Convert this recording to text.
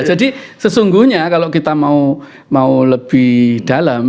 jadi sesungguhnya kalau kita mau lebih dalam